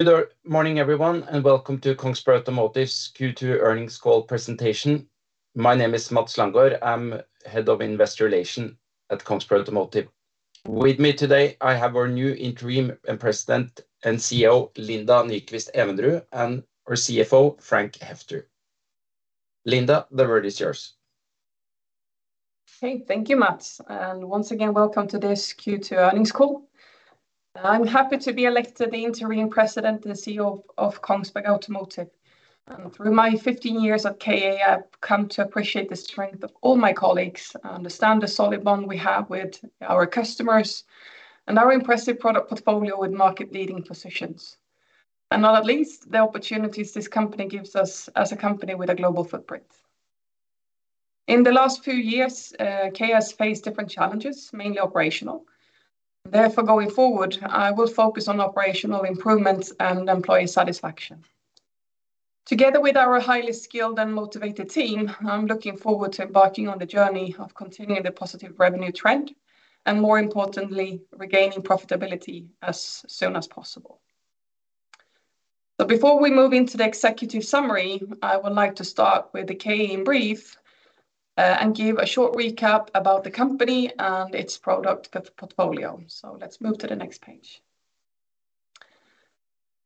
Good morning, everyone, and welcome to Kongsberg Automotive's Q2 earnings call presentation. My name is Mads Langaard. I'm Head of Investor Relations at Kongsberg Automotive. With me today, I have our new Interim President and CEO, Linda Nyquist-Evenrud, and our CFO, Frank Heffter. Linda, the word is yours. Okay, thank you, Mads, and once again, welcome to this Q2 earnings call. I'm happy to be elected the Interim President and CEO of Kongsberg Automotive, and through my 15 years at KA, I've come to appreciate the strength of all my colleagues, understand the solid bond we have with our customers, and our impressive product portfolio with market-leading positions. Not at least, the opportunities this company gives us as a company with a global footprint. In the last few years, KA has faced different challenges, mainly operational. Therefore, going forward, I will focus on operational improvements and employee satisfaction. Together with our highly skilled and motivated team, I'm looking forward to embarking on the journey of continuing the positive revenue trend, and more importantly, regaining profitability as soon as possible. Before we move into the executive summary, I would like to start with the KA in brief and give a short recap about the company and its product portfolio. Let's move to the next page.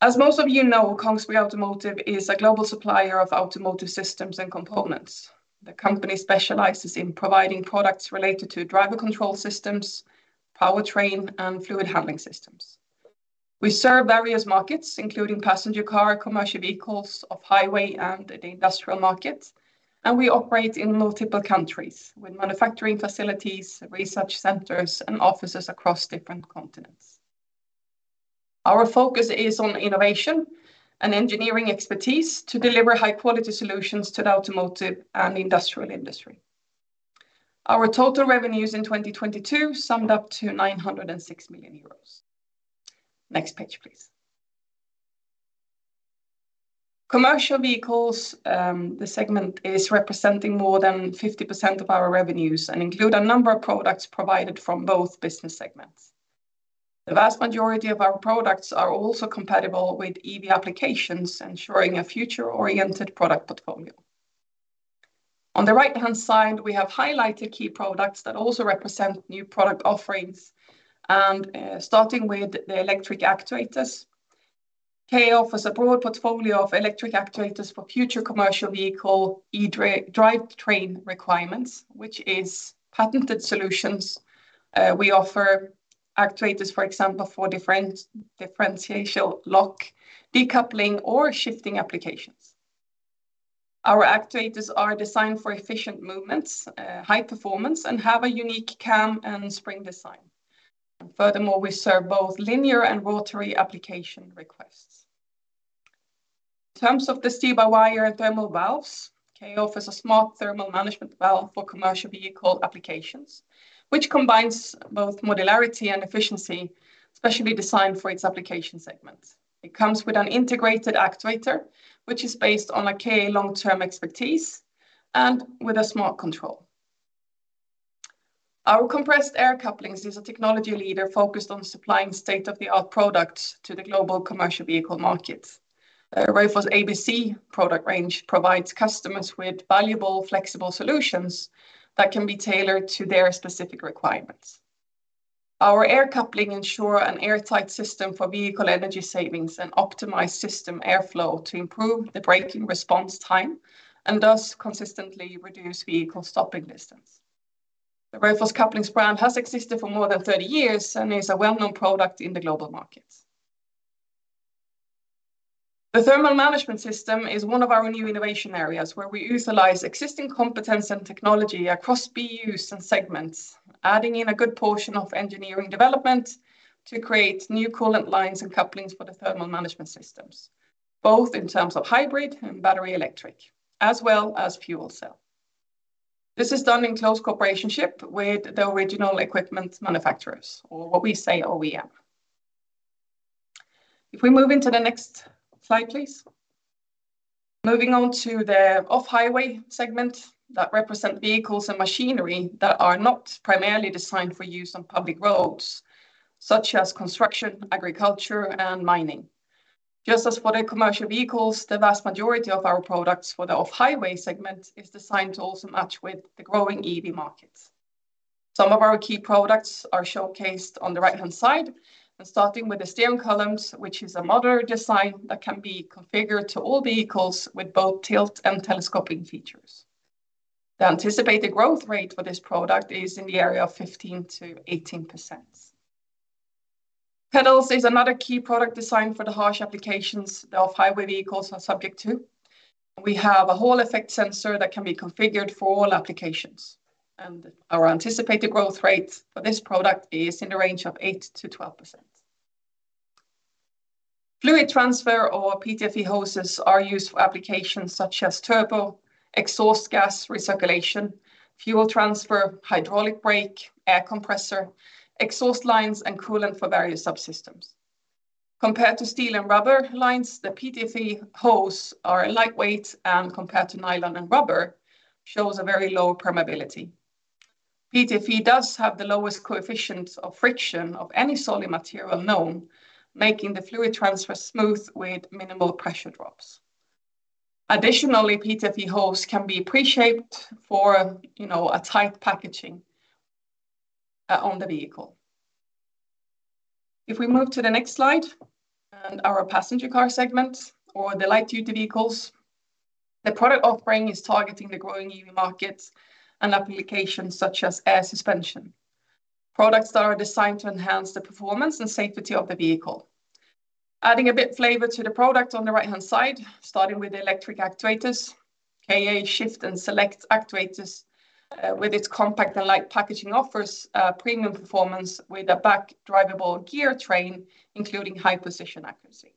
As most of you know, Kongsberg Automotive is a global supplier of automotive systems and components. The company specializes in providing products related to driver control systems, powertrain, and fluid handling systems. We serve various markets, including passenger car, commercial vehicles, Off-Highway, and the industrial markets, and we operate in multiple countries, with manufacturing facilities, research centers, and offices across different continents. Our focus is on innovation and engineering expertise to deliver high-quality solutions to the automotive and industrial industry. Our total revenues in 2022 summed up to 906 million euros. Next page, please. Commercial vehicles, the segment is representing more than 50% of our revenues and include a number of products provided from both business segments. The vast majority of our products are also compatible with EV applications, ensuring a future-oriented product portfolio. On the right-hand side, we have highlighted key products that also represent new product offerings, starting with the electric actuators. KA offers a broad portfolio of electric actuators for future commercial vehicle drivetrain requirements, which is patented solutions. We offer actuators, for example, for differential lock, decoupling, or shifting applications. Our actuators are designed for efficient movements, high performance, and have a unique cam and spring design. Furthermore, we serve both linear and rotary application requests. In terms of the Steer-by-Wire thermal valves, KA offers a smart thermal management valve for commercial vehicle applications, which combines both modularity and efficiency, specially designed for its application segments. It comes with an integrated actuator, which is based on a KA long-term expertise, and with a smart control. Our compressed air couplings is a technology leader focused on supplying state-of-the-art products to the global commercial vehicle market. Raufoss ABC product range provides customers with valuable, flexible solutions that can be tailored to their specific requirements. Our air coupling ensure an airtight system for vehicle energy savings and optimized system airflow to improve the braking response time, and thus consistently reduce vehicle stopping distance. The Raufoss Couplings brand has existed for more than 30 years and is a well-known product in the global market. The thermal management system is one of our new innovation areas, where we utilize existing competence and technology across BUs and segments, adding in a good portion of engineering development to create new coolant lines and Couplings for the thermal management systems, both in terms of hybrid and battery electric, as well as fuel cell. This is done in close cooperation with the original equipment manufacturers or what we say OEM. We move into the next slide, please. Moving on to the Off-highway segment that represent vehicles and machinery that are not primarily designed for use on public roads, such as construction, agriculture, and mining. Just as for the commercial vehicles, the vast majority of our products for the Off-Highway segment is designed to also match with the growing EV markets. Some of our key products are showcased on the right-hand side. Starting with the steering columns, which is a modular design that can be configured to all vehicles with both tilt and telescoping features. The anticipated growth rate for this product is in the area of 15%-18%. Pedals is another key product design for the harsh applications the Off-Highway vehicles are subject to. We have a Hall-effect sensor that can be configured for all applications, and our anticipated growth rate for this product is in the range of 8%-12%. Fluid transfer or PTFE hoses are used for applications such as turbo, exhaust gas recirculation, fuel transfer, hydraulic brake, air compressor, exhaust lines, and coolant for various subsystems. Compared to steel and rubber lines, the PTFE hose are lightweight, and compared to nylon and rubber, shows a very low permeability. PTFE does have the lowest coefficients of friction of any solid material known, making the fluid transfer smooth with minimal pressure drops. Additionally, PTFE hose can be pre-shaped for, you know, a tight packaging on the vehicle. If we move to the next slide and our Passenger Car segment or the light duty vehicles, the product offering is targeting the growing EV markets and applications such as air suspension. Products that are designed to enhance the performance and safety of the vehicle. Adding a bit flavor to the product on the right-hand side, starting with the electric actuators, KA shift and select actuators, with its compact and light packaging offers premium performance with a back drivable gear train, including high position accuracy.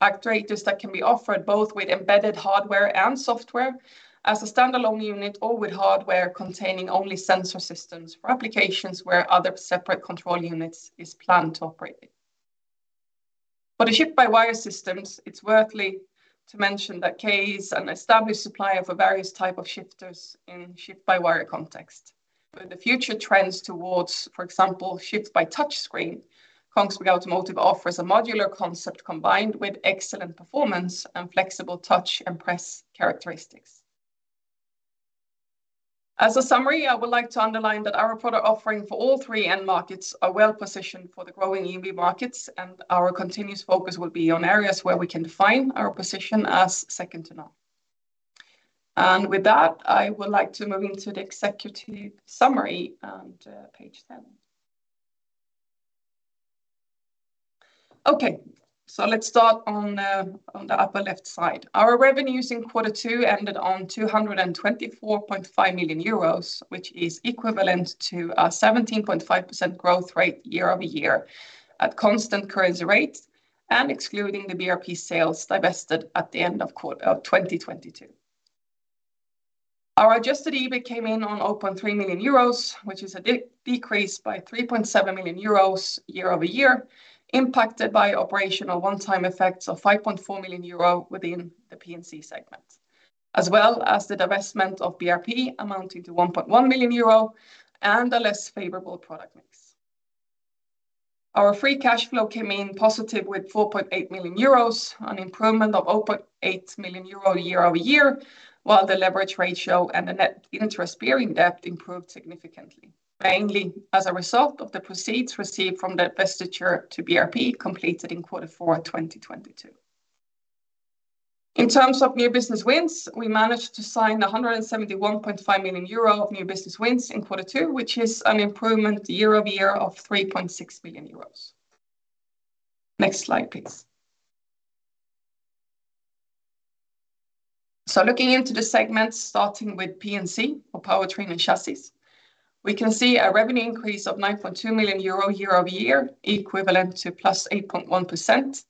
Actuators that can be offered both with embedded hardware and software as a standalone unit or with hardware containing only sensor systems for applications where other separate control units is planned to operate it. For the shift-by-wire systems, it's worthwhile to mention that KA is an established supplier for various type of shifters in shift-by-wire context. For the future trends towards, for example, shift by touchscreen, Kongsberg Automotive offers a modular concept combined with excellent performance and flexible touch and press characteristics. As a summary, I would like to underline that our product offering for all three end markets are well positioned for the growing EV markets, our continuous focus will be on areas where we can define our position as second to none. With that, I would like to move into the executive summary on page seven. Okay, let's start on the, on the upper left side. Our revenues in Q2 ended on 224.5 million euros, which is equivalent to a 17.5% growth rate year-over-year at constant currency rate and excluding the BRP sales divested at the end of Q4 2022. Our adjusted EBIT came in on 0.3 million euros, which is a decrease by 3.7 million euros year-over-year, impacted by operational one-time effects of 5.4 million euro within the P&C segment, as well as the divestment of BRP amounting to 1.1 million euro and a less favorable product mix. Our free cash flow came in positive with 4.8 million euros, an improvement of 0.8 million euro year-over-year, while the leverage ratio and the net interest-bearing debt improved significantly, mainly as a result of the proceeds received from the divestiture to BRP, completed in quarter four, 2022. In terms of new business wins, we managed to sign 171.5 million euro of new business wins in quarter two, which is an improvement year-over-year of 3.6 billion euros. Next slide, please. Looking into the segments, starting with P&C or powertrain and chassis, we can see a revenue increase of 9.2 million euro year-over-year, equivalent to +8.1%,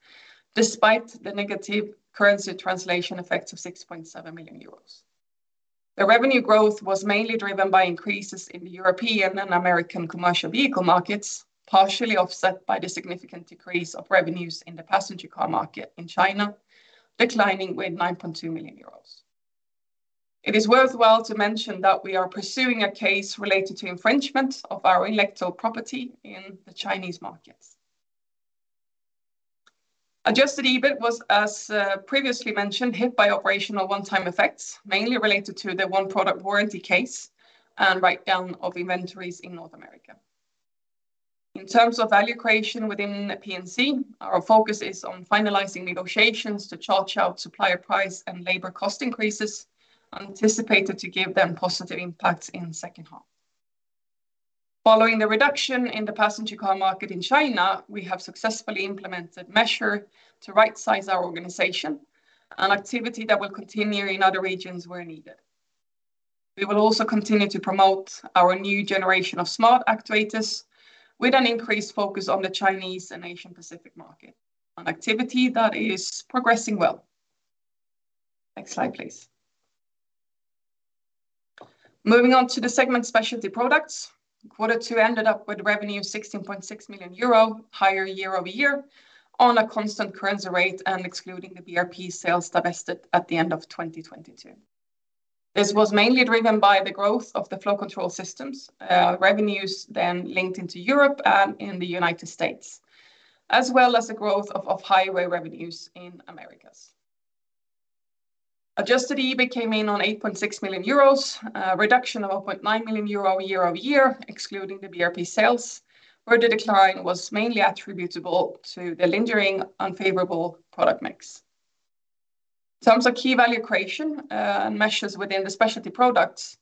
despite the negative currency translation effects of 6.7 million euros. The revenue growth was mainly driven by increases in the European and American commercial vehicle markets, partially offset by the significant decrease of revenues in the passenger car market in China, declining with 9.2 million euros. It is worthwhile to mention that we are pursuing a case related to infringement of our intellectual property in the Chinese markets. adjusted EBIT was, as previously mentioned, hit by operational one-time effects, mainly related to the one product warranty case and write-down of inventories in North America. In terms of value creation within the P&C, our focus is on finalizing negotiations to charge out supplier price and labor cost increases, anticipated to give them positive impact in second half. Following the reduction in the passenger car market in China, we have successfully implemented measure to rightsize our organization, an activity that will continue in other regions where needed. We will also continue to promote our new generation of smart actuators with an increased focus on the Chinese and Asian Pacific market, an activity that is progressing well. Next slide, please. Moving on to the segment Specialty Products. Quarter two ended up with revenue of 16.6 million euro, higher year-over-year on a constant currency rate and excluding the BRP sales divested at the end of 2022. This was mainly driven by the growth of the Flow Control Systems revenues then linked into Europe and in the United States, as well as the growth of Off-Highway revenues in Americas. Adjusted EBIT came in on 8.6 million euros, a reduction of 0.9 million euro year-over-year, excluding the BRP sales, where the decline was mainly attributable to the lingering unfavorable product mix. In terms of key value creation and measures within the Specialty Products,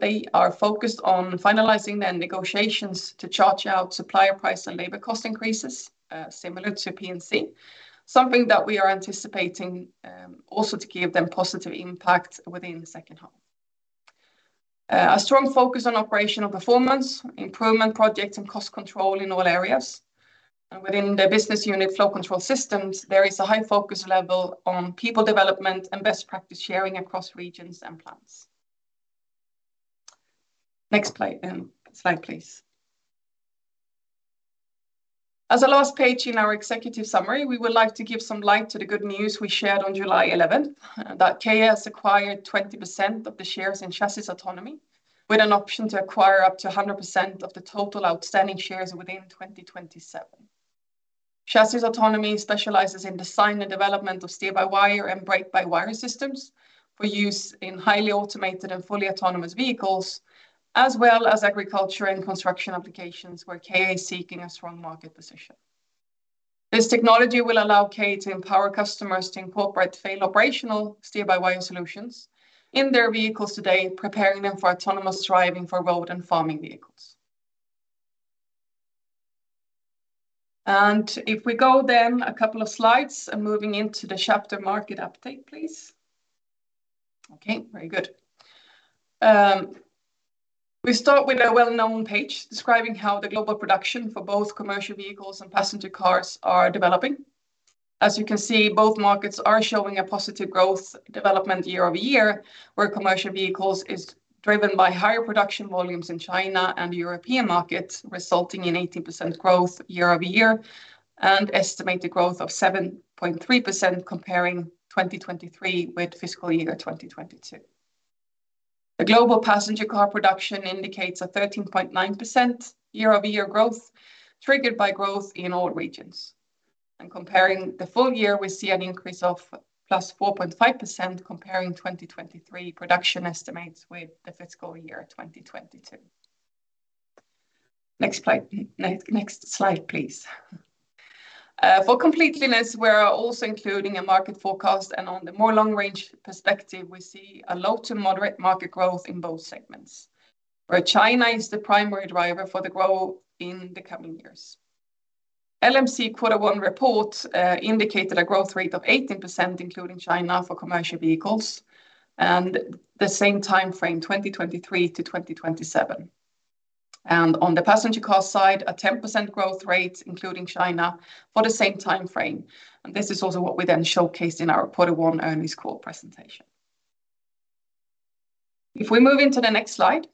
they are focused on finalizing the negotiations to charge out supplier price and labor cost increases, similar to P&C. Something that we are anticipating also to give them positive impact within the second half. A strong focus on operational performance, improvement projects and cost control in all areas. Within the business unit Flow Control Systems, there is a high focus level on people development and best practice sharing across regions and plants. Next slide, please. As a last page in our Executive summary, we would like to give some light to the good news we shared on July eleventh, that KA has acquired 20% of the shares in Chassis Autonomy, with an option to acquire up to 100% of the total outstanding shares within 2027. Chassis Autonomy specializes in design and development of steer-by-wire and brake-by-wire systems for use in highly automated and fully autonomous vehicles, as well as agriculture and construction applications, where KA is seeking a strong market position. This technology will allow KA to empower customers to incorporate fail operational steer-by-wire solutions in their vehicles today, preparing them for autonomous driving for road and farming vehicles. If we go then a couple of slides and moving into the chapter market update, please. Okay, very good. We start with a well-known page describing how the global production for both commercial vehicles and passenger cars are develoing. As you can see, both markets are showing a positive growth development year-over-year, where commercial vehicles is driven by higher production volumes in China and European markets, resulting in 18% growth year-over-year, and estimated growth of 7.3%, comparing 2023 with fiscal year 2022. The global passenger car production indicates a 13.9% year-over-year growth, triggered by growth in all regions. Comparing the full year, we see an increase of +4.5%, comparing 2023 production estimates with the fiscal year 2022. Next slide, next slide, please. For completeness, we're also including a market forecast, on the more long-range perspective, we see a low to moderate market growth in both segments, where China is the primary driver for the growth in the coming years. LMC Q1 report indicated a growth rate of 18%, including China, for commercial vehicles, the same time frame, 2023 to 2027. On the passenger car side, a 10% growth rate, including China, for the same time frame. This is also what we then showcased in our Q1 earnings call presentation. If we move into the next slide,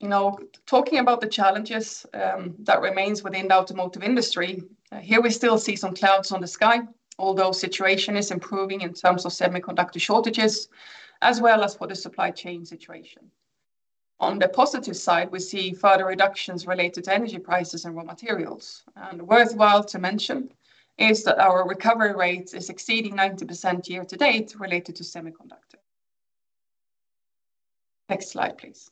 you know, talking about the challenges that remains within the automotive industry, here we still see some clouds on the sky, although situation is improving in terms of semiconductor shortages, as well as for the supply chain situation. On the positive side, we see further reductions related to energy prices and raw materials. Worthwhile to mention is that our recovery rate is exceeding 90% year-to-date, related to semiconductor. Next slide, please.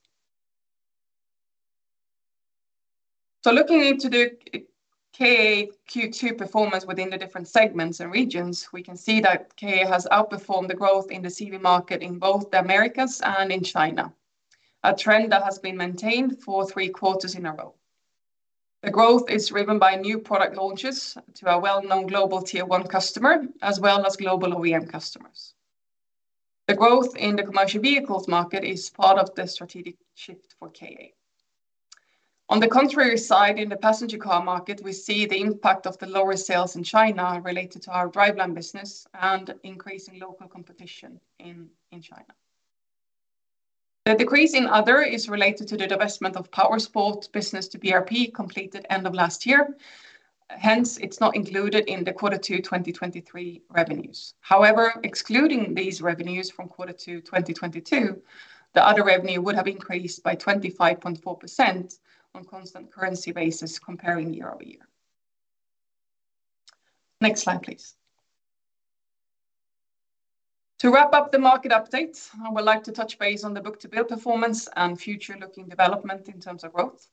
Looking into the KA Q2 performance within the different segments and regions, we can see that KA has outperformed the growth in the CV market in both the Americas and in China, a trend that has been maintained for 3 quarters in a row. The growth is driven by new product launches to a well-known global Tier One customer, as well as global OEM customers. The growth in the commercial vehicles market is part of the strategic shift for KA. On the contrary side, in the passenger car market, we see the impact of the lower sales in China related to our Driveline business and increase in local competition in China. The decrease in other is related to the divestment of Powersports business to BRP, completed end of last year. Hence, it's not included in the Q2 2023 revenues. However, excluding these revenues from Q2 2022, the other revenue would have increased by 25.4% on constant currency basis, comparing year-over-year. Next slide, please. To wrap up the market update, I would like to touch base on the book-to-bill performance and future-looking development in terms of growth.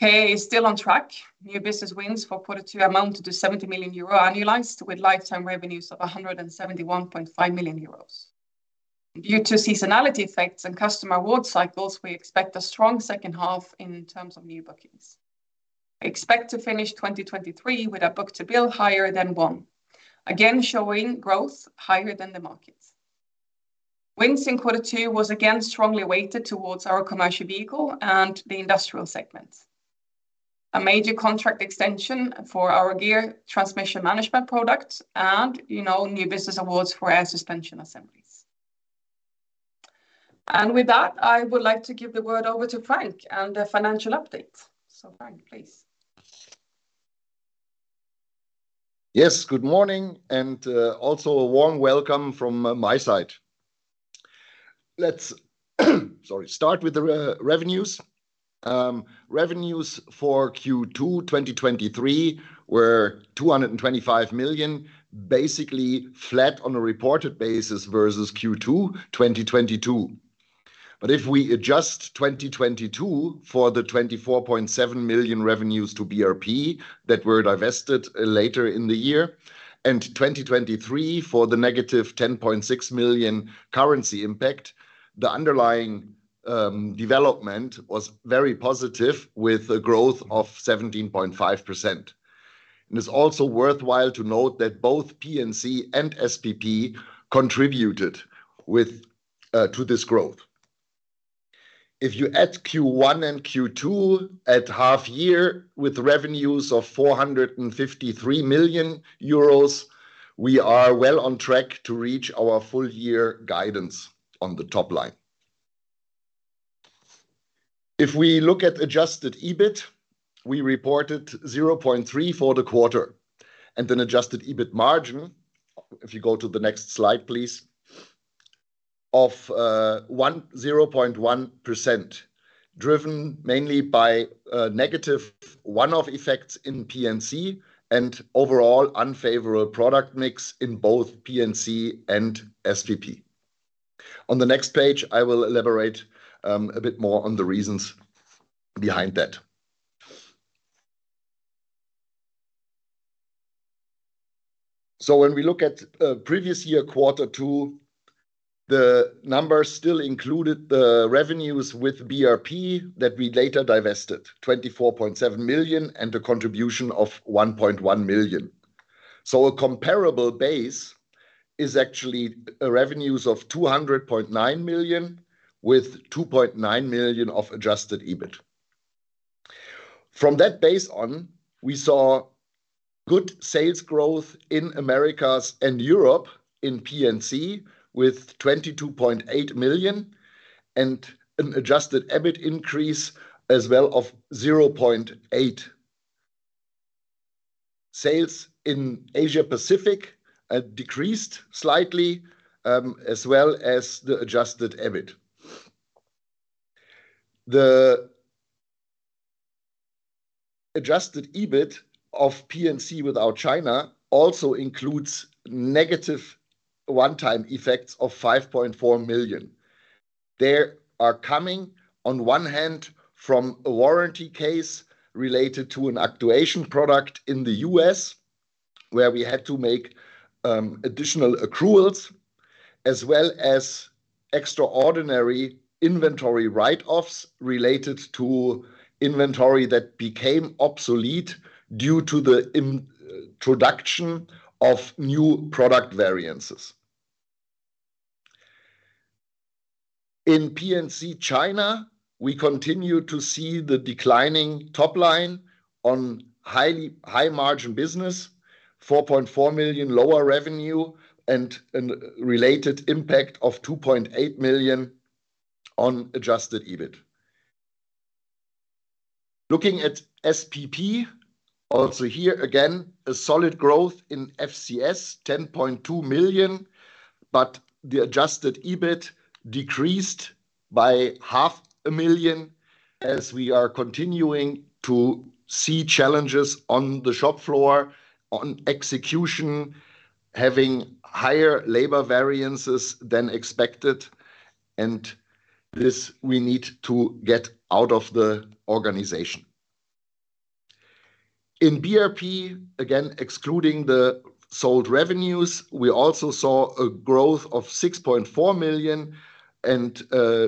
KA is still on track. New business wins for Q2 amounted to 70 million euro annualized, with lifetime revenues of 171.5 million euros. Due to seasonality effects and customer award cycles, we expect a strong second half in terms of new bookings. I expect to finish 2023 with a book-to-bill higher than 1, again, showing growth higher than the markets. Wins in Q2 was again strongly weighted towards our commercial vehicle and the industrial segments. A major contract extension for our gear transmission management products and, you know, new business awards for air suspension assemblies. With that, I would like to give the word over to Frank and the financial update. Frank, please. Yes, good morning, also a warm welcome from my side. Let's, sorry, start with the revenues. Revenues for Q2 2023 were 225 million, basically flat on a reported basis versus Q2 2022. If we adjust 2022 for the 24.7 million revenues to BRP that were divested later in the year, and 2023 for the -10.6 million currency impact, the underlying development was very positive, with a growth of 17.5%. It's also worthwhile to note that both P&C and SPP contributed to this growth. If you add Q1 and Q2 at half year, with revenues of 453 million euros, we are well on track to reach our full year guidance on the top line. If we look at adjusted EBIT, we reported 0.3 million for the quarter, and an adjusted EBIT margin, if you go to the next slide, please, of 0.1%, driven mainly by negative one-off effects in P&C and overall unfavorable product mix in both P&C and SPP. On the next page, I will elaborate a bit more on the reasons behind that. When we look at previous year, Q2, the numbers still included the revenues with BRP that we later divested, 24.7 million, and a contribution of 1.1 million. A comparable base is actually revenues of 200.9 million, with 2.9 million of adjusted EBIT. From that base on, we saw good sales growth in Americas and Europe in P&C, with 22.8 million, and an adjusted EBIT increase as well of 0.8 million. Sales in Asia Pacific decreased slightly, as well as the adjusted EBIT. The adjusted EBIT of P&C without China also includes negative one-time effects of 5.4 million. They are coming, on one hand, from a warranty case related to an actuation product in the U.S., where we had to make additional accruals, as well as extraordinary inventory write-offs related to inventory that became obsolete due to the introduction of new product variances. In P&C China, we continue to see the declining top line on highly high-margin business, 4.4 million lower revenue, and a related impact of 2.8 million on adjusted EBIT. Looking at SPP, also here, again, a solid growth in FCS, 10.2 million. The adjusted EBIT decreased by 500,000, as we are continuing to see challenges on the shop floor, on execution, having higher labor variances than expected. This we need to get out of the organization. In BRP, again, excluding the sold revenues, we also saw a growth of 6.4 million,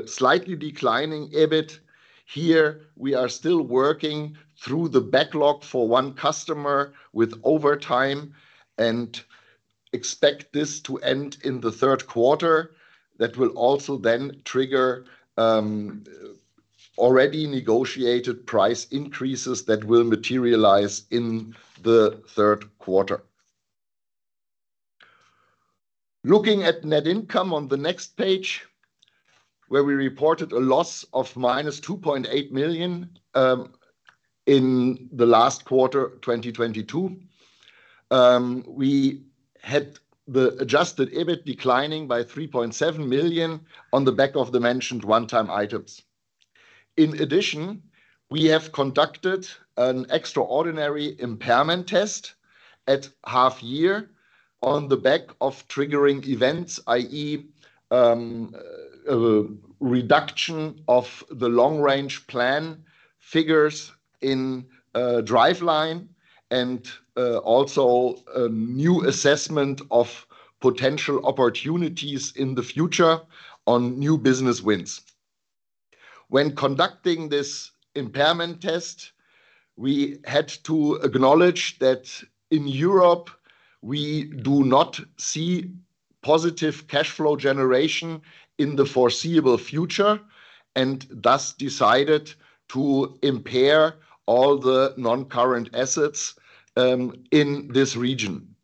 slightly declining EBIT. Here, we are still working through the backlog for one customer with overtime, expect this to end in the third quarter. That will also then trigger already negotiated price increases that will materialize in the third quarter. Looking at net income on the next page, where we reported a loss of -2.8 million in the last quarter, 2022. We had the adjusted EBIT declining by 3.7 million on the back of the mentioned one-time items. In addition, we have conducted an extraordinary impairment test at half year on the back of triggering events, i.e., a reduction of the long-range plan figures in Driveline, and also a new assessment of potential opportunities in the future on new business wins. When conducting this impairment test, we had to acknowledge that in Europe, we do not see positive cash flow generation in the foreseeable future, and thus decided to impair all the non-current assets in this region.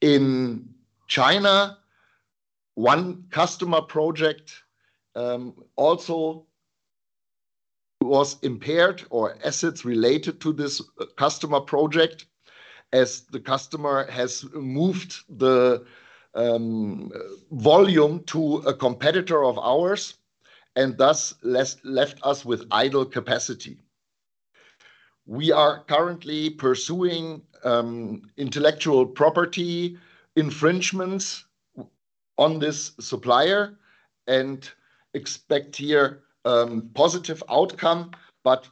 In China, one customer project also was impaired, or assets related to this customer project, as the customer has moved the volume to a competitor of ours, and thus left us with idle capacity. We are currently pursuing intellectual property infringements on this supplier and expect here positive outcome, but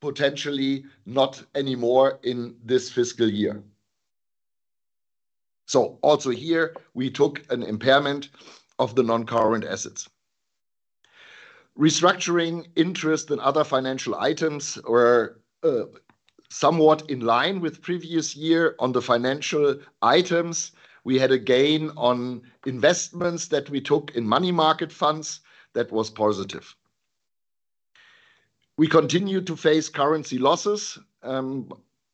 potentially not anymore in this fiscal year. Also here, we took an impairment of the non-current assets. Restructuring interest and other financial items were somewhat in line with previous year. On the financial items, we had a gain on investments that we took in money market funds. That was positive. We continue to face currency losses,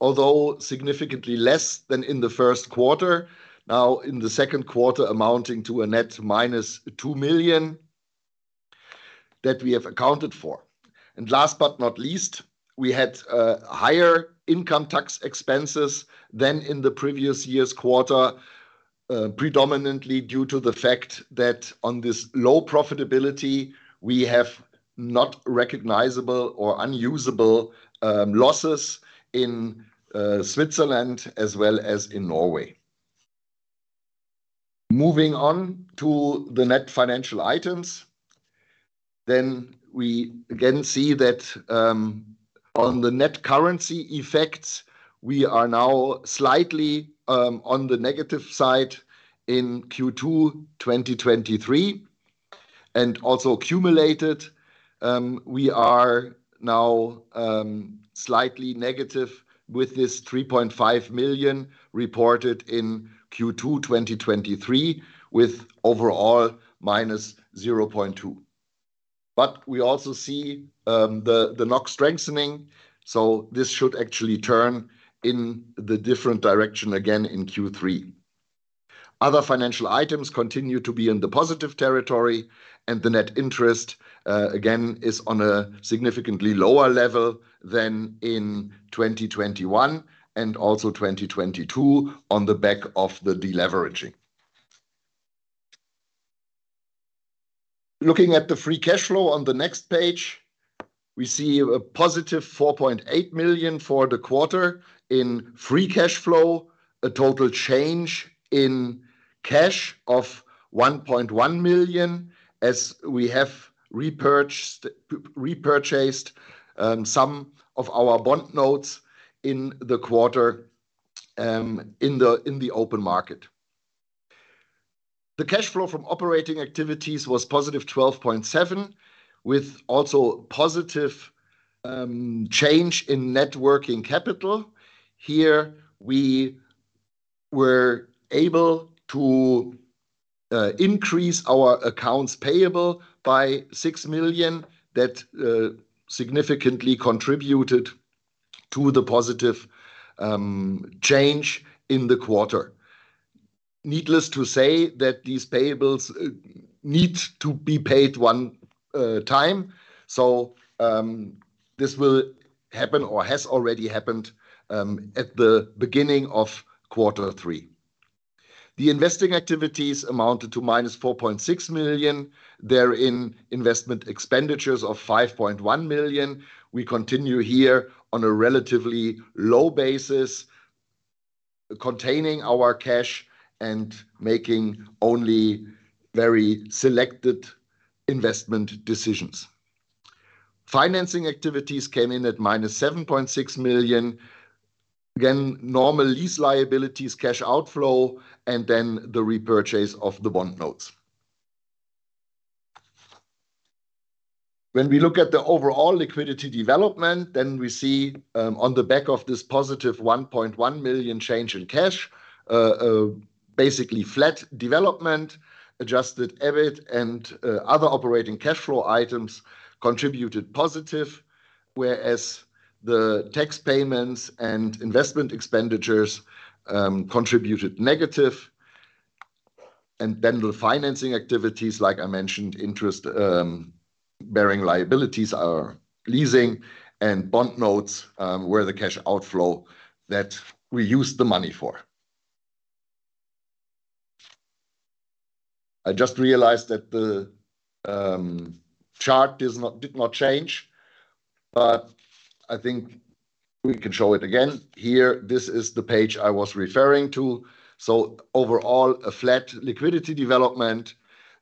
although significantly less than in the first quarter. Now, in the second quarter, amounting to a net - 2 million that we have accounted for. Last but not least, we had higher income tax expenses than in the previous year's quarter, predominantly due to the fact that on this low profitability, we have not recognizable or unusable losses in Switzerland as well as in Norway. Moving on to the net financial items, then we again see that, on the net currency effects, we are now slightly on the negative side in Q2 2023. Also accumulated, we are now slightly negative with this 3.5 million reported in Q2 2023, with overall -0.2. We also see the NOK strengthening, so this should actually turn in the different direction again in Q3. Other financial items continue to be in the positive territory, and the net interest, again, is on a significantly lower level than in 2021 and also 2022, on the back of the deleveraging. Looking at the free cash flow on the next page, we see a positive 4.8 million for the quarter. In free cash flow, a total change in cash of 1.1 million, as we have repurchased, repurchased some of our bond notes in the quarter, in the open market. The cash flow from operating activities was positive 12.7, with also positive change in net working capital. Here, we were able to increase our accounts payable by 6 million. That significantly contributed to the positive change in the quarter. Needless to say, that these payables need to be paid one time. This will happen or has already happened at the beginning of quarter three. The investing activities amounted to -4.6 million. Therein, investment expenditures of 5.1 million. We continue here on a relatively low basis, containing our cash and making only very selected investment decisions. Financing activities came in at -7.6 million. Normal lease liabilities, cash outflow, and then the repurchase of the bond notes. When we look at the overall liquidity development, we see on the back of this positive 1.1 million change in cash, basically flat development, adjusted EBIT and other operating cash flow items contributed positive. Whereas the tax payments and investment expenditures contributed negative. The financing activities, like I mentioned, interest bearing liabilities, our leasing and bond notes, were the cash outflow that we used the money for. I just realized that the chart is not did not change, I think we can show it again. Here, this is the page I was referring to. Overall, a flat liquidity development,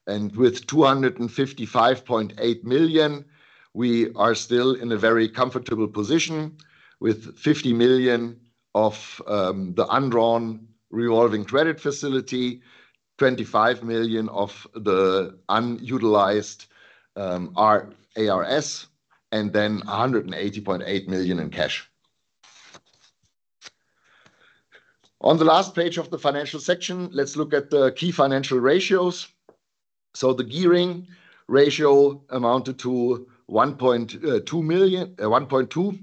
with 255.8 million, we are still in a very comfortable position, with 50 million of the undrawn revolving credit facility, 25 million of the unutilized RCF, and EUR 180.8 million in cash. On the last page of the financial section, let's look at the key financial ratios. The gearing ratio amounted to 1.2,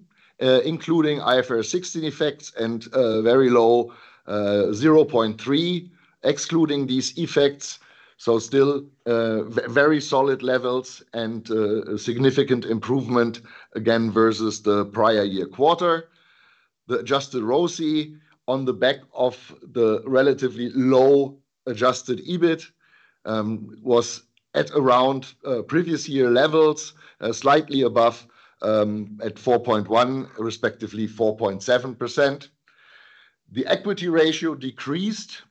including IFRS 16 effects and very low 0.3, excluding these effects. Still, very solid levels and a significant improvement, again, versus the prior year quarter. The adjusted ROCE on the back of the relatively low adjusted EBIT was at around previous year levels, slightly above, at 4.1%, respectively, 4.7%. The equity ratio decreased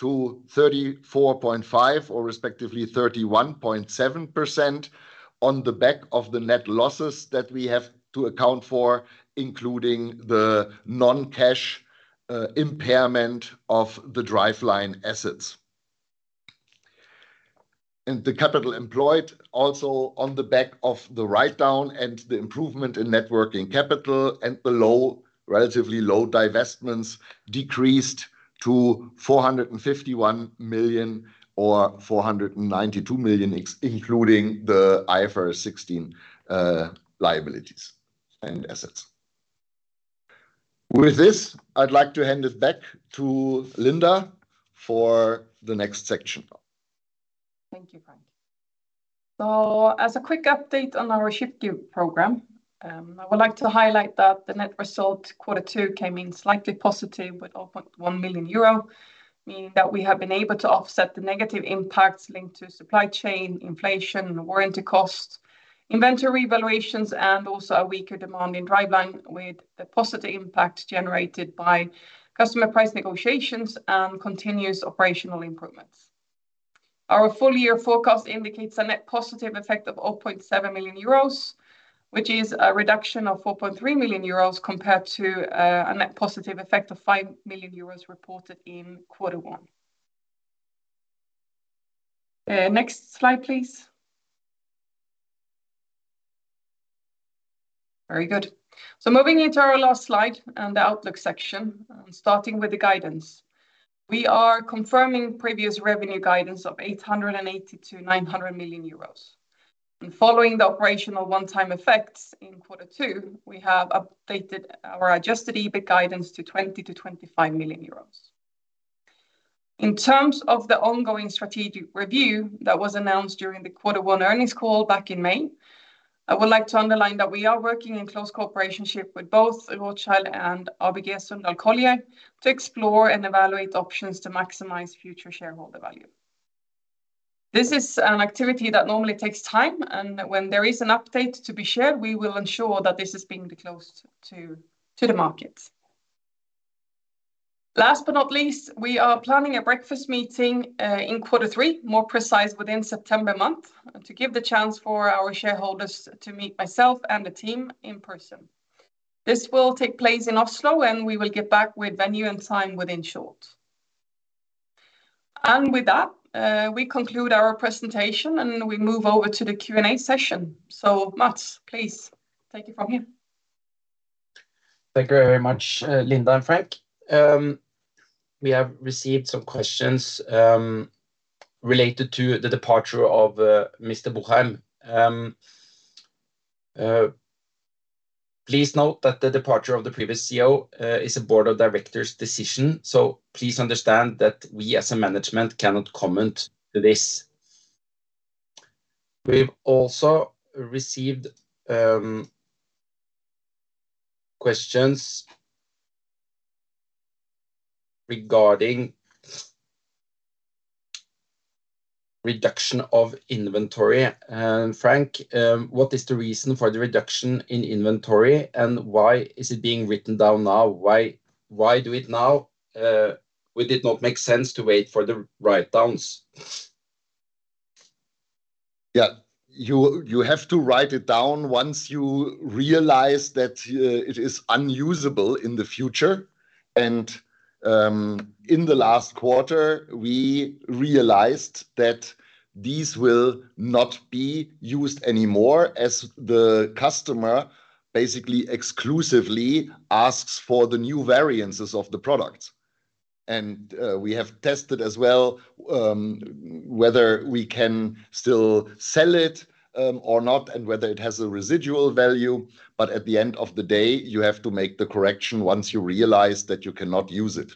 to 34.5%, or respectively, 31.7%, on the back of the net losses that we have to account for, including the non-cash impairment of the driveline assets. The capital employed, also on the back of the write-down and the improvement in net working capital and the low-- relatively low divestments, decreased to 451 million or 492 million, ex- including the IFRS 16 liabilities and assets. With this, I'd like to hand it back to Linda for the next section. Thank you, Frank. As a quick update on our Shift Gear program, I would like to highlight that the net result, quarter two came in slightly positive with 0.1 million euro, meaning that we have been able to offset the negative impacts linked to supply chain inflation, warranty costs, inventory valuations, and also a weaker demand in Driveline, with the positive impact generated by customer price negotiations and continuous operational improvements. Our full-year forecast indicates a net positive effect of 0.7 million euros, which is a reduction of 4.3 million euros compared to a net positive effect of 5 million euros reported in quarter one. Next slide, please. Very good. Moving into our last slide and the outlook section, and starting with the guidance. We are confirming previous revenue guidance of 880 million-900 million euros. Following the operational one-time effects in quarter two, we have updated our adjusted EBIT guidance to 20 million-25 million euros. In terms of the ongoing strategic review that was announced during the quarter one earnings call back in May, I would like to underline that we are working in close cooperation with both Rothschild and ABG Sundal Collier to explore and evaluate options to maximize future shareholder value. This is an activity that normally takes time, and when there is an update to be shared, we will ensure that this is being disclosed to, to the market. Last but not least, we are planning a breakfast meeting in quarter three, more precise, within September month, to give the chance for our shareholders to meet myself and the team in person. This will take place in Oslo, and we will get back with venue and time within short. With that, we conclude our presentation, and we move over to the Q&A session. Mats, please take it from here. Thank you very much, Linda and Frank. We have received some questions related to the departure of Mr. Buchheim. Please note that the departure of the previous CEO is a Board of Directors decision, so please understand that we, as a management, cannot comment to this. We've also received questions regarding reduction of inventory. Frank, what is the reason for the reduction in inventory, and why is it being written down now? Why, why do it now? Would it not make sense to wait for the write-downs? Yeah. You, you have to write it down once you realize that it is unusable in the future. In the last quarter, we realized that these will not be used anymore, as the customer basically exclusively asks for the new variances of the product. We have tested as well, whether we can still sell it, or not, and whether it has a residual value. At the end of the day, you have to make the correction once you realize that you cannot use it.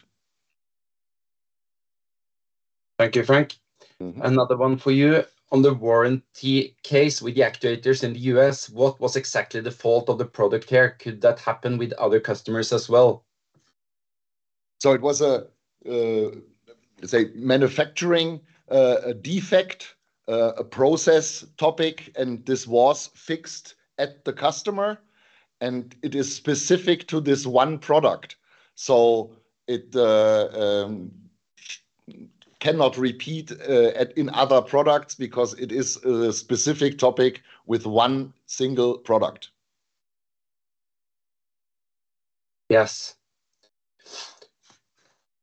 Thank you, Frank. Another one for you. On the warranty case with the actuators in the U.S., what was exactly the fault of the product there? Could that happen with other customers as well? It was a, let's say, manufacturing defect, a process topic, and this was fixed at the customer, and it is specific to this one product. It cannot repeat, at, in other products because it is a specific topic with one single product. Yes.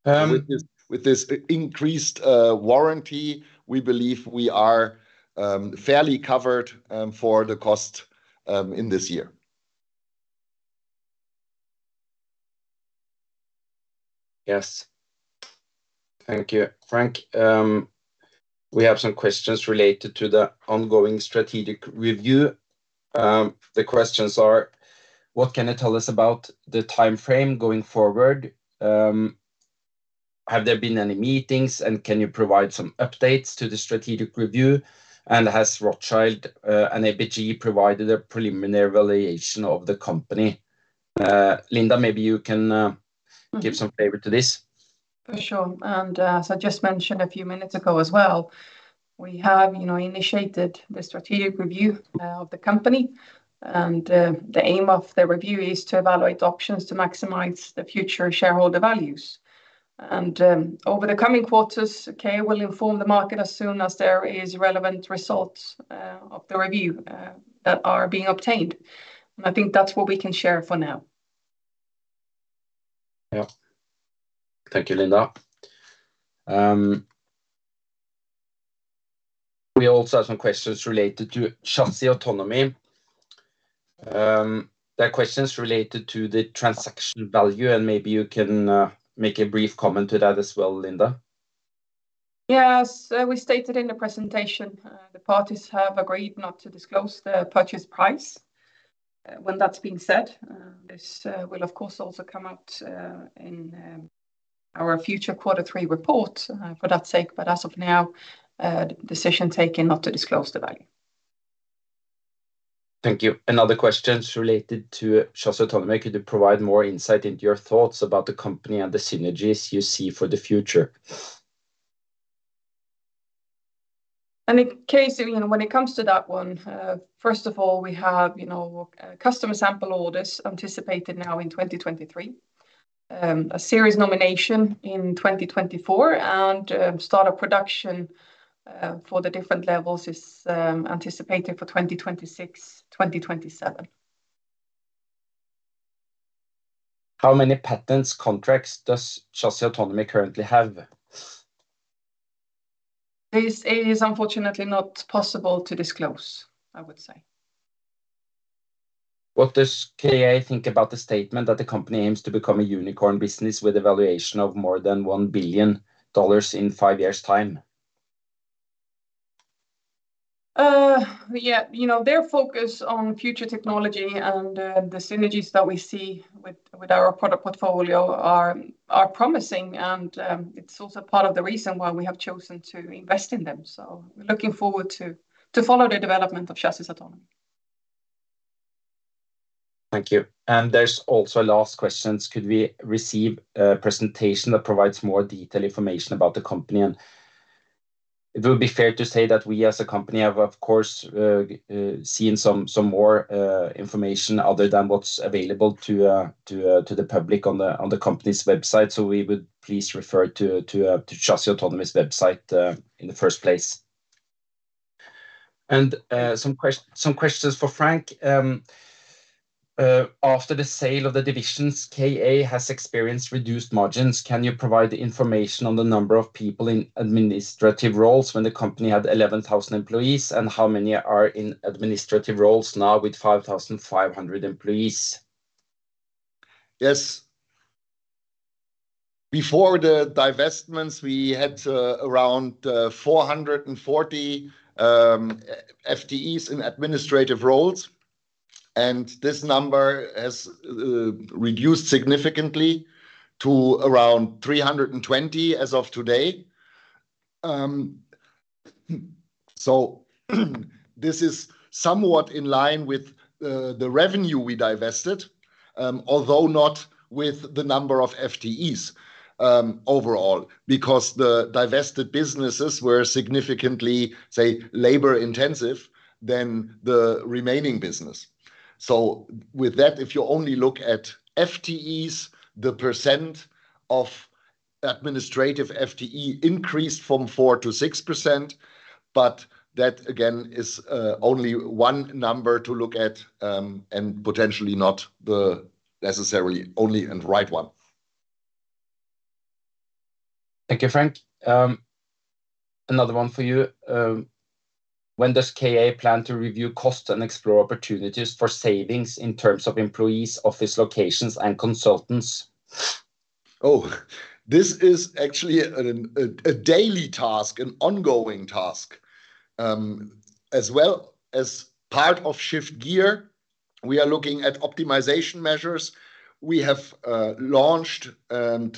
With this, with this increased warranty, we believe we are fairly covered for the cost in this year. Yes. Thank you, Frank. We have some questions related to the ongoing strategic review. The questions are: What can you tell us about the timeframe going forward? Have there been any meetings, and can you provide some updates to the strategic review? Has Rothschild and ABG provided a preliminary valuation of the company? Linda, maybe you can give some favor to this. For sure. As I just mentioned a few minutes ago as well, we have, you know, initiated the strategic review of the company, and the aim of the review is to evaluate options to maximize the future shareholder values. Over the coming quarters, KA will inform the market as soon as there is relevant results of the review that are being obtained. I think that's what we can share for now. Yeah. Thank you, Linda. We also have some questions related to Chassis Autonomy. There are questions related to the transaction value. Maybe you can make a brief comment to that as well, Linda. Yes, we stated in the presentation, the parties have agreed not to disclose the purchase price. When that's been said, this will, of course, also come out in our future quarter three report for that sake. As of now, decision taken not to disclose the value. Thank you. Another question is related to Chassis Autonomy. Could you provide more insight into your thoughts about the company and the synergies you see for the future? In case, you know, when it comes to that one, first of all, we have, you know, customer sample orders anticipated now in 2023. A series nomination in 2024, and, start of production for the different levels is anticipated for 2026, 2027. How many patents contracts does Chassis Autonomy currently have? This is unfortunately not possible to disclose, I would say. What does KA think about the statement that the company aims to become a unicorn business with a valuation of more than $1 billion in five years' time? Yeah, you know, their focus on future technology and the synergies that we see with, with our product portfolio are, are promising, and it's also part of the reason why we have chosen to invest in them. We're looking forward to, to follow the development of Chassis Autonomy. Thank you. There's also a last question: Could we receive a presentation that provides more detailed information about the company? It would be fair to say that we, as a company, have, of course, seen some, some more, information other than what's available to, to, to the public on the, on the company's website. We would please refer to, to, to Chassis Autonomy's website, in the first place. Some questions for Frank. After the sale of the divisions, KA has experienced reduced margins. Can you provide the information on the number of people in administrative roles when the company had 11,000 employees, and how many are in administrative roles now with 5,500 employees? Yes. Before the divestments, we had around 440 FTEs in administrative roles, this number has reduced significantly to around 320 as of today. This is somewhat in line with the revenue we divested, although not with the number of FTEs overall, because the divested businesses were significantly, say, labor-intensive than the remaining business. With that, if you only look at FTEs, the percent of administrative FTE increased from 4%-6%, that again is only one number to look at and potentially not the necessarily only and right one. Thank you, Frank. Another one for you. When does KA plan to review costs and explore opportunities for savings in terms of employees, office locations, and consultants? Oh, this is actually an ongoing task. As well as part of Shift Gear, we are looking at optimization measures. We have launched and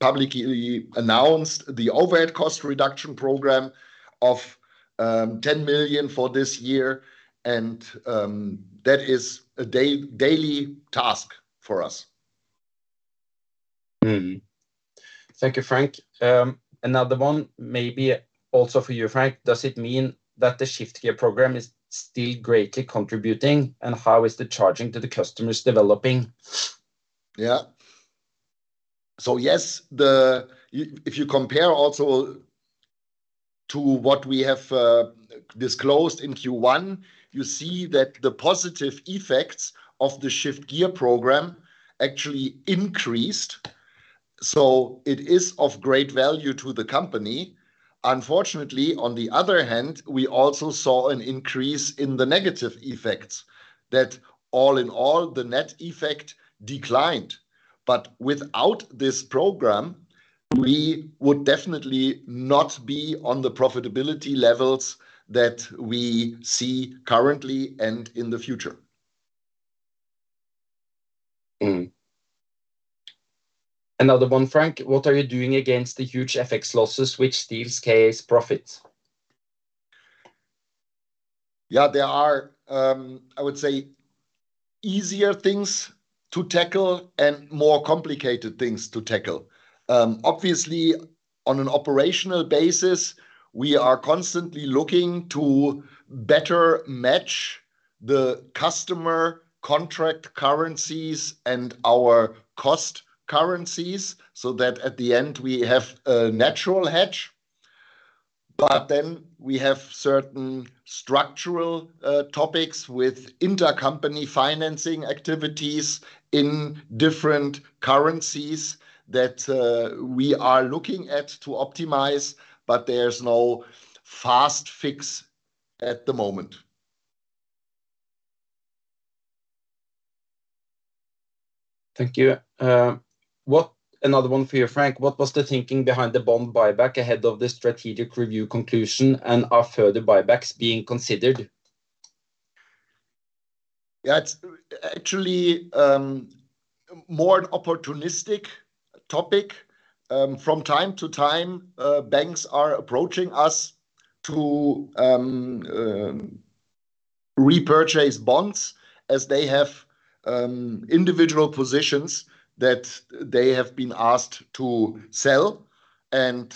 publicly announced the overhead cost reduction program of 10 million for this year, that is a daily task for us. Thank you, Frank. Another one maybe also for you, Frank. Does it mean that the Shift Gear program is still greatly contributing, and how is the charging to the customers develo`ping? Yeah. Yes, the if you compare also to what we have disclosed in Q1, you see that the positive effects of the Shift Gear program actually increased. It is of great value to the company. Unfortunately, on the other hand, we also saw an increase in the negative effects that, all in all, the net effect declined. Without this program, we would definitely not be on the profitability levels that we see currently and in the future. Another one, Frank: What are you doing against the huge FX losses, which steals KA's profits? Yeah, there are, I would say, easier things to tackle and more complicated things to tackle. Obviously, on an operational basis, we are constantly looking to better match the customer contract currencies and our cost currencies, so that at the end, we have a natural hedge. Then we have certain structural topics with intercompany financing activities in different currencies that we are looking at to optimize, but there's no fast fix at the moment. Thank you. Another one for you, Frank. What was the thinking behind the bond buyback ahead of the strategic review conclusion, and are further buybacks being considered? Yeah, it's actually more an opportunistic topic. From time to time, banks are approaching us to repurchase bonds as they have individual positions that they have been asked to sell, and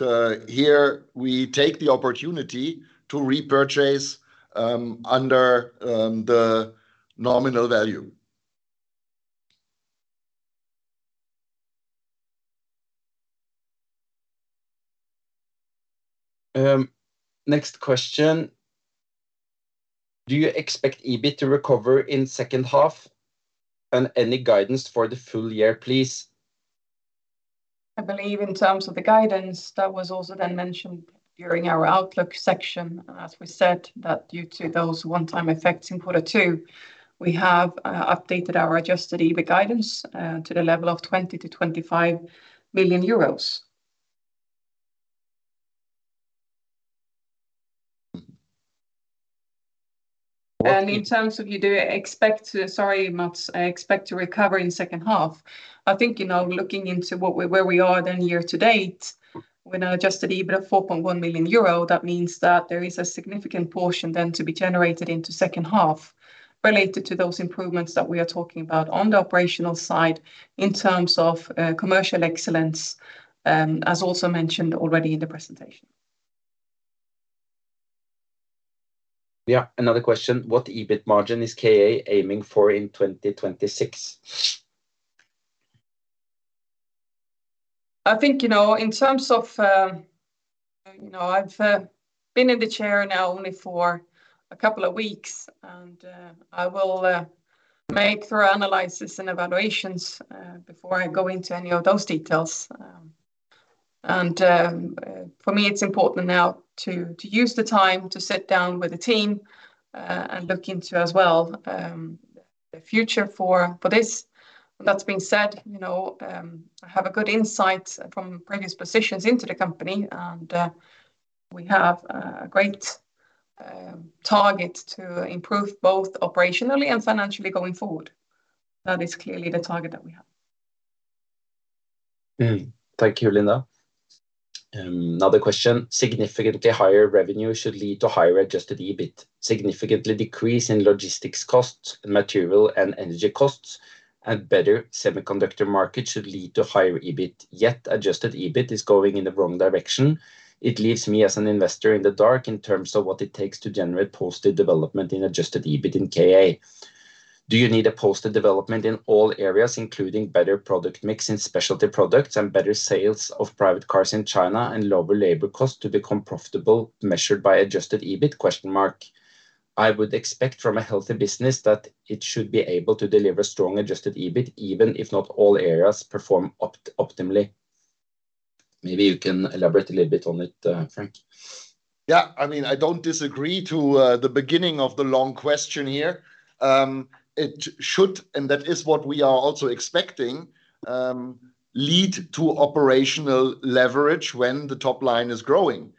here we take the opportunity to repurchase under the nominal value. Next question: Do you expect EBIT to recover in second half? Any guidance for the full year, please. I believe in terms of the guidance, that was also then mentioned during our outlook section. As we said, that due to those one-time effects in Q2, we have updated our adjusted EBIT guidance to the level of 20 million-25 million euros. In terms of you, Sorry, Mats, expect to recover in second half. I think, you know, looking into where we are then year-to-date, with an adjusted EBIT of 4.1 million euro, that means that there is a significant portion then to be generated into second half, related to those improvements that we are talking about on the operational side in terms of commercial excellence, as also mentioned already in the presentation. Yeah, another question: What EBIT margin is KA aiming for in 2026? I think, you know, in terms of, you know, I've been in the chair now only for a couple of weeks, and I will make through analysis and evaluations before I go into any of those details. For me, it's important now to use the time to sit down with the team and look into as well the future for this. That being said, you know, I have a good insight from previous positions into the company, and we have a great target to improve both operationally and financially going forward. That is clearly the target that we have. Thank you, Linda. Another question: Significantly higher revenue should lead to higher adjusted EBIT. Significantly decrease in logistics costs and material and energy costs, and better semiconductor market should lead to higher EBIT. Yet, adjusted EBIT is going in the wrong direction. It leaves me, as an investor, in the dark in terms of what it takes to generate posted development in adjusted EBIT in KA. Do you need a posted development in all areas, including better product mix in Specialty Products and better sales of private cars in China and lower labor costs to become profitable, measured by adjusted EBIT, question mark? I would expect from a healthy business that it should be able to deliver strong, adjusted EBIT, even if not all areas perform optimally. Maybe you can elaborate a little bit on it, Frank. Yeah, I mean, I don't disagree to the beginning of the long question here. It should, and that is what we are also expecting, lead to operational leverage when the top line is growing.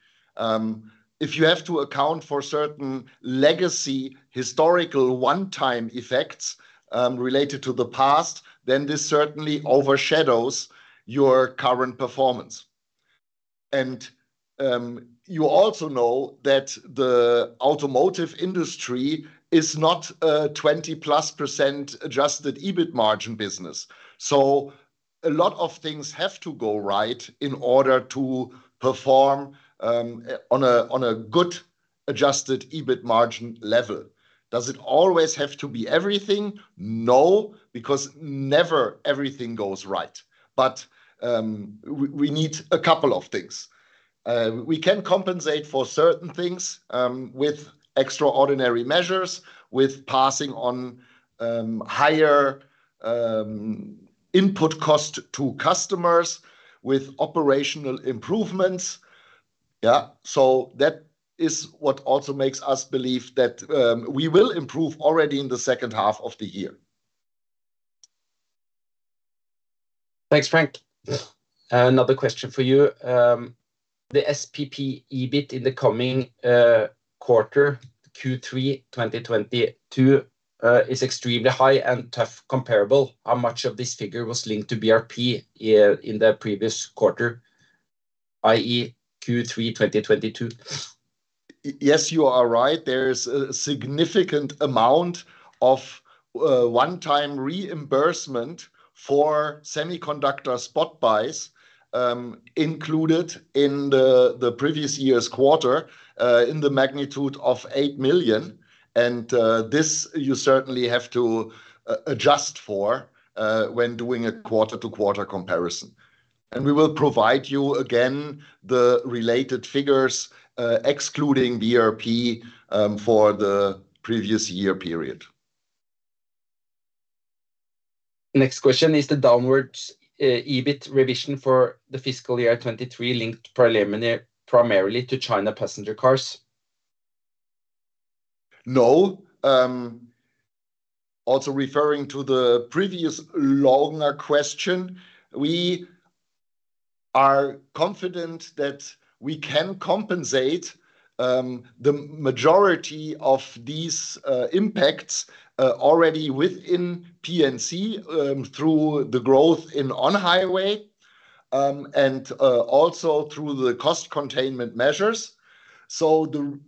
If you have to account for certain legacy, historical, one-time effects, related to the past, then this certainly overshadows your current performance. You also know that the automotive industry is not a 20%+ adjusted EBIT margin business. A lot of things have to go right in order to perform on a good adjusted EBIT margin level. Does it always have to be everything? No, because never everything goes right. We need a couple of things. We can compensate for certain things with extraordinary measures, with passing on higher input cost to customers, with operational improvements. That is what also makes us believe that we will improve already in the second half of the year. Thanks, Frank. Another question for you. The SPP EBIT in the coming quarter, Q3 2022, is extremely high and tough comparable. How much of this figure was linked to BRP, in the previous quarter, i.e., Q3 2022? Yes, you are right. There is a significant amount of one-time reimbursement for semiconductor spot buys included in the previous year's quarter in the magnitude of 8 million, and this you certainly have to adjust for when doing a quarter-to-quarter comparison. We will provide you again the related figures excluding BRP for the previous year period. Next question: Is the downwards, EBIT revision for the fiscal year 2023 linked primarily, primarily to China passenger cars? No. Also referring to the previous longer question, we are confident that we can compensate the majority of these impacts already within P&C, through the growth in on-highway, and also through the cost containment measures. The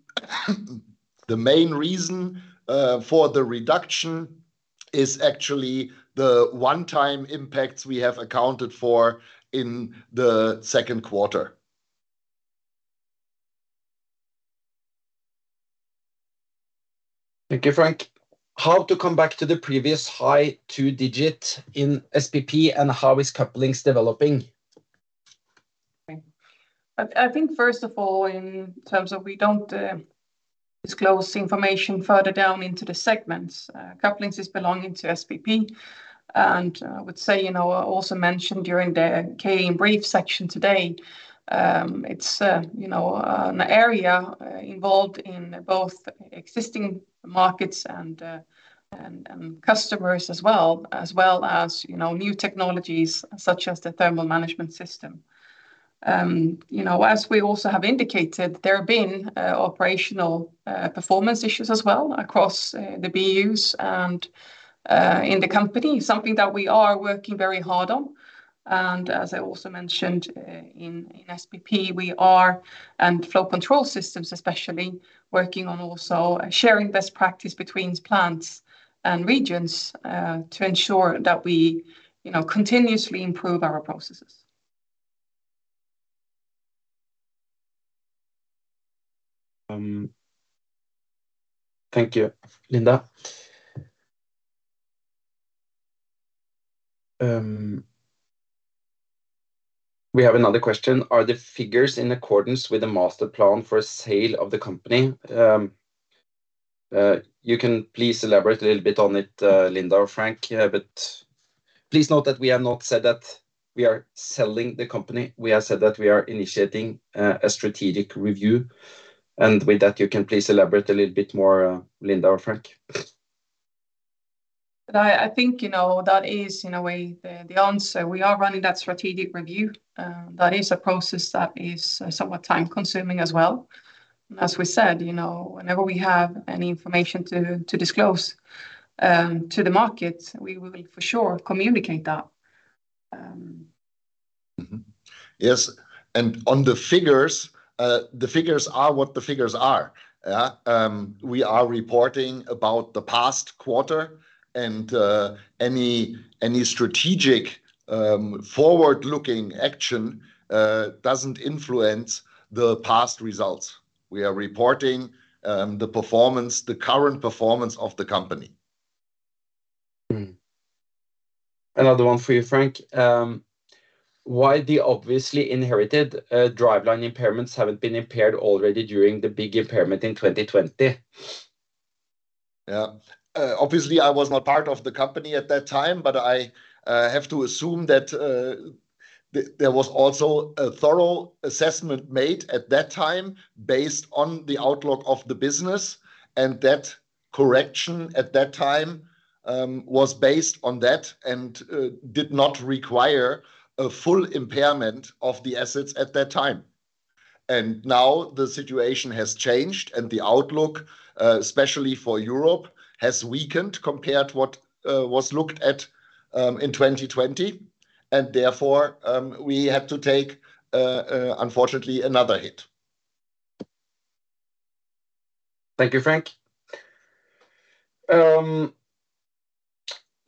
main reason for the reduction is actually the one-time impacts we have accounted for in the second quarter. Thank you, Frank. How to come back to the previous high two digit in SPP and how is Couplings developing? Okay. I, I think first of all, in terms of we don't disclose information further down into the segments. Couplings is belonging to SPP, and I would say, you know, I also mentioned during the K in brief section today, it's, you know, an area involved in both existing markets and, customers as well, as well as, you know, new technologies such as the thermal management system. You know, as we also have indicated, there have been operational performance issues as well across the BUs and in the company. Something that we are working very hard on. As I also mentioned, in SPP, we are, and Flow Control Systems especially, working on also sharing best practice between plants and regions, to ensure that we, you know, continuously improve our processes. Thank you, Linda. We have another question: Are the figures in accordance with the master plan for a sale of the company? You can please elaborate a little bit on it, Linda or Frank, but please note that we have not said that we are selling the company. We have said that we are initiating a strategic review, and with that, you can please elaborate a little bit more, Linda or Frank. I, I think, you know, that is, in a way, the, the answer. We are running that strategic review. That is a process that is somewhat time-consuming as well. As we said, you know, whenever we have any information to, to disclose, to the market, we will for sure communicate that. Yes, on the figures, the figures are what the figures are. We are reporting about the past quarter, any, any strategic, forward-looking action, doesn't influence the past results. We are reporting, the performance, the current performance of the company. Another one for you, Frank. Why the obviously inherited, Driveline impairments haven't been impaired already during the big impairment in 2020? Yeah. obviously, I was not part of the company at that time, but I have to assume that there was also a thorough assessment made at that time based on the outlook of the business, and that correction at that time was based on that and did not require a full impairment of the assets at that time. Now the situation has changed, and the outlook, especially for Europe, has weakened compared to what was looked at in 2020, and therefore, we have to take, unfortunately, another hit. Thank you, Frank.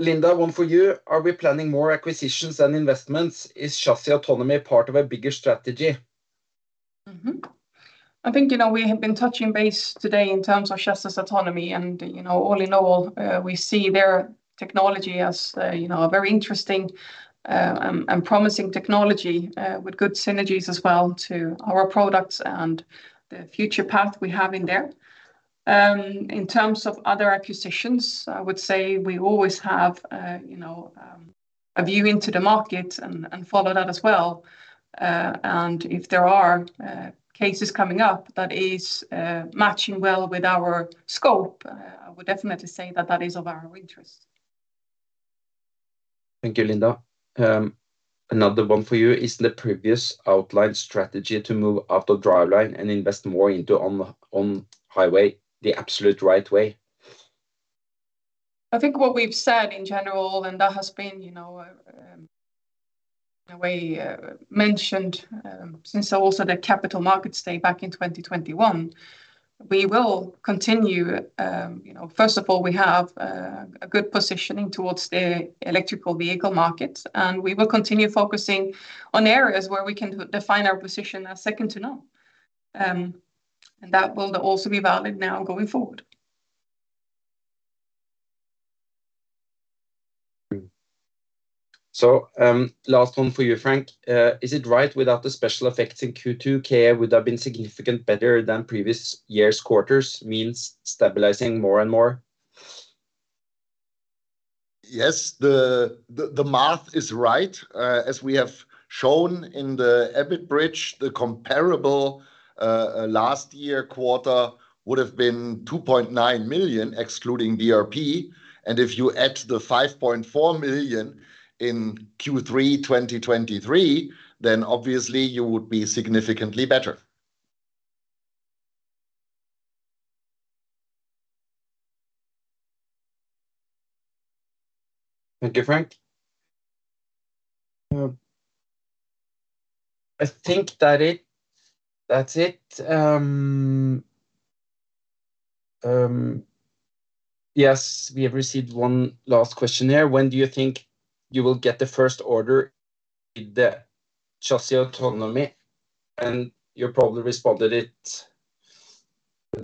Linda, one for you. Are we planning more acquisitions and investments? Is Chassis Autonomy part of a bigger strategy? I think, you know, we have been touching base today in terms of Chassis Autonomy, and, you know, all in all, we see their technology as, you know, a very interesting, and promising technology, with good synergies as well to our products and the future path we have in there. In terms of other acquisitions, I would say we always have, you know, a view into the market and, and follow that as well. If there are cases coming up that is matching well with our scope, I would definitely say that that is of our interest. Thank you, Linda. Another one for you. Is the previous outlined strategy to move after Driveline and invest more into on the, on-highway the absolute right way? I think what we've said in general, and that has been, you know, the way mentioned, since also the Capital Markets Day back in 2021, we will continue... You know, first of all, we have a good positioning towards the electrical vehicle market, and we will continue focusing on areas where we can define our position as second to none. That will also be valid now going forward. Mm. last one for you, Frank Heffter. is it right without the special effects in Q2, KA would have been significant better than previous years' quarters, means stabilizing more and more? Yes, the, the, the math is right. As we have shown in the EBIT bridge, the comparable last year quarter would have been 2.9 million, excluding BRP. If you add the 5.4 million in Q3 2023, then obviously you would be significantly better. Thank you, Frank. I think that's it. Yes, we have received one last question here: When do you think you will get the first order in the Chassis Autonomy? You probably responded it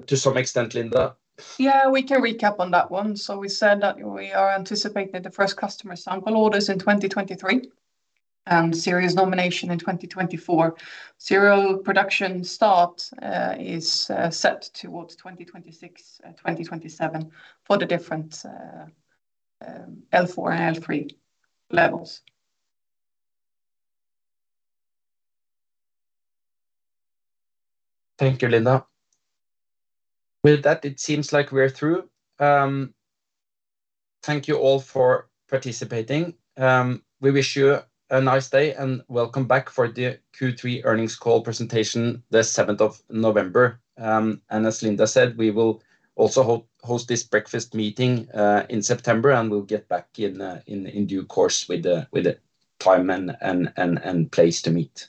to some extent, Linda. Yeah, we can recap on that one. We said that we are anticipating the first customer sample orders in 2023, and serious nomination in 2024. Serial production start is set towards 2026, 2027, for the different L4 and L3 levels. Thank you, Linda. With that, it seems like we're through. Thank you all for participating. We wish you a nice day. Welcome back for the Q3 earnings call presentation, 7th of November. As Linda said, we will also host this breakfast meeting in September. We'll get back in due course with the time and place to meet.